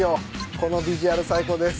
このビジュアル最高です。